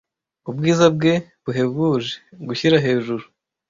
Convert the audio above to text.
Ubwiza bwe buhebuje? gushyira hejuru